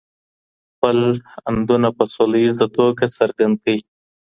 خپل آندونه په سوله ييزه توګه څرګند کړئ.